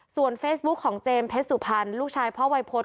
ส่วนเฟซบุ๊คของเจมส์เพชรสุพรรณลูกชายพ่อวัยพฤษ